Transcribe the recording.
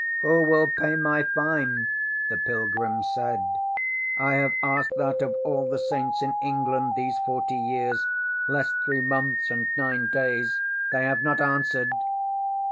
ŌĆØ ŌĆśŌĆ£Who will pay my fine? ŌĆØ the pilgrim said. ŌĆ£I have asked that of all the Saints in England these forty years, less three months and nine days! They have not answered!